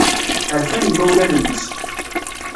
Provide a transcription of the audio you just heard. Rfan yimawlan-nnes.